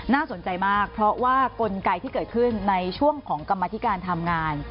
สนใจมากเพราะว่ากลไกที่เกิดขึ้นในช่วงของกรรมธิการทำงาน